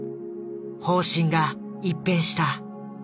方針が一変した。